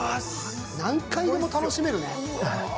何回でも楽しめるね。